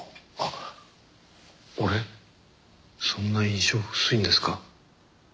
あっ俺そんな印象薄いんですか？